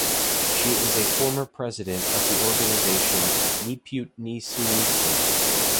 She is a former president of the organisation "Ni Putes Ni Soumises".